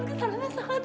kamu harus sabar